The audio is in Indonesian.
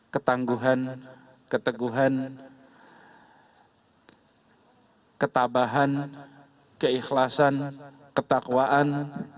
ketangguhan keteguhan ketabahan keikhlasan ketakwaan